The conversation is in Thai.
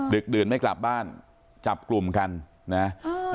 ดื่นไม่กลับบ้านจับกลุ่มกันนะเออ